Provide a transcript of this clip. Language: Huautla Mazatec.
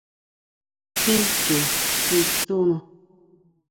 Tjín chu xi tsúna.